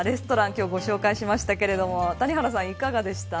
今日、ご紹介しましたけれども谷原さん、いかがでした。